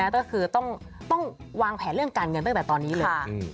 ก็คือต้องวางแผนเรื่องการเงินตั้งแต่ตอนนี้เลย